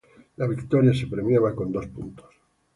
La victoria se premiaba con dos puntos.